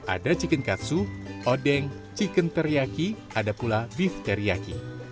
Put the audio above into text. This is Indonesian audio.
ada chicken katsu odeng chicken teriyaki ada pula beef teriyaki